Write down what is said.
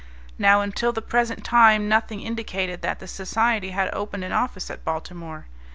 Now, until the present time nothing indicated that the Society had opened an office at Baltimore.